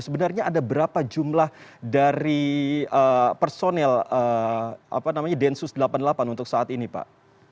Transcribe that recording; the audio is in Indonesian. sebenarnya ada berapa jumlah dari personil densus delapan puluh delapan untuk saat ini pak